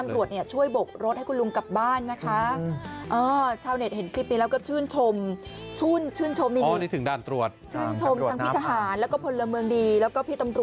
พี่เห็นไหมเห็นคุณลุงเดินไหมคะ